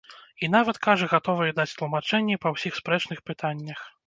І нават, кажа, гатовыя даць тлумачэнні па ўсіх спрэчных пытаннях.